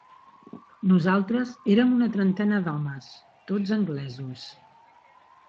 Nosaltres érem una trentena d'homes, tots anglesos